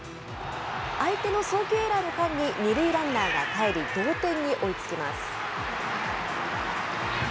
相手の送球エラーの間に、２塁ランナーがかえり、同点に追いつきます。